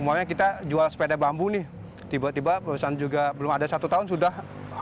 maunya kita jual sepeda bambu nih tiba tiba perusahaan juga belum ada satu tahun sudah